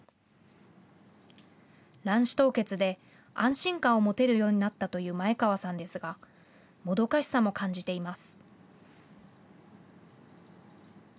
卵子凍結で安心感を持てるようになったという前川さんですがもどかしさも感じています。